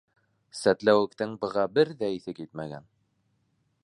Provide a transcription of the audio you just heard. Сәтләүектең быға бер ҙә иҫе китмәгән.